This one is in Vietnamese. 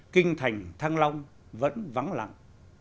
kinh thành thăng long vẫn vắng lặng